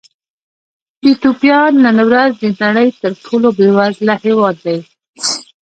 ایتوپیا نن ورځ د نړۍ تر ټولو بېوزله هېواد دی.